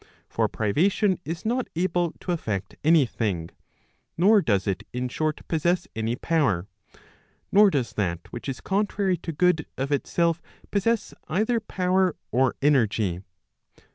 For privation is not able to effect any thing, nor does it in short possess any power ; nor does that which is contrary to good of itself possess either power or energy.